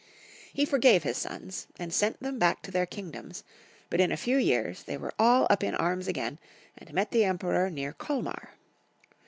He forgave liis sons, and sent them back to theii kingdoms ; but in a few years they were all up in arms again, and met the Emperor near Colmar.